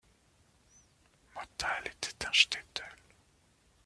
Motal était un shtetl.